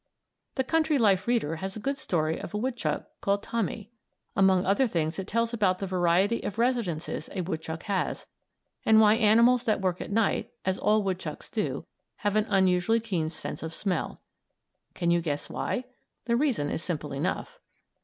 "The Country Life Reader" has a good story of a woodchuck named "Tommy." Among other things it tells about the variety of residences a woodchuck has; and why animals that work at night, as all woodchucks do, have an unusually keen sense of smell. Can you guess why? The reason is simple enough.